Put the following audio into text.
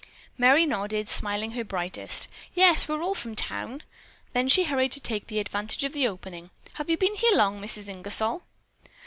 Merry nodded, smiling her brightest. "Yes, we're all from town." Then she hurried to take advantage of the opening. "Have you been here long, Mrs. Ingersol?"